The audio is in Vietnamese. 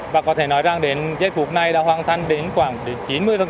và có thể nói rằng đây phục này đã hoàn thành đến khoảng chín mươi công tác nắn dòng